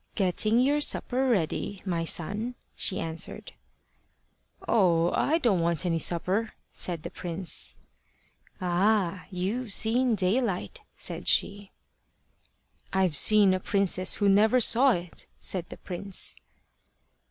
"Getting your supper ready, my son," she answered. "Oh, I don't want any supper," said the prince. "Ah! you've seen Daylight," said she. "I've seen a princess who never saw it," said the prince.